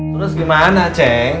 terus gimana ceng